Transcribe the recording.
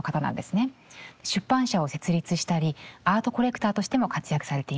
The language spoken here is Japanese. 出版社を設立したりアートコレクターとしても活躍されています。